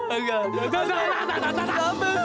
tidak tak tak tak tak tak tak